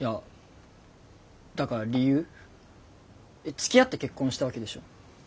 つきあって結婚したわけでしょ？